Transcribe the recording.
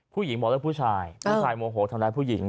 ผู้หญิงบอกเรื่องผู้ชายผู้ชายโมโหทำร้ายผู้หญิง